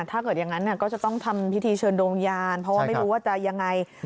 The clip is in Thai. ถ้าเกิดอย่างนั้นก็จะต้องทำพิธีเชิญดวงยานเพราะว่าไม่รู้ว่าจะยังไง